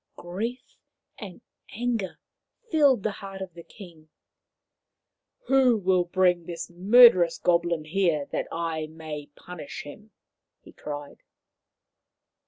Grief and anger filled the heart of the king. " Who will bring this murderous goblin here that I may punish him ?" he cried.